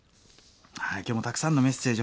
今日もたくさんのメッセージ